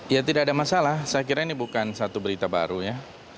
ya tidak ada masalah saya kira ini bukan satu berita baru ya